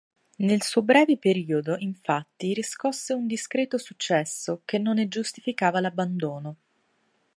Nel suo breve periodo infatti riscosse un discreto successo che non ne giustificava l'abbandono.